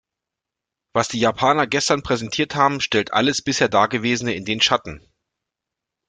Was die Japaner gestern präsentiert haben, stellt alles bisher dagewesene in den Schatten.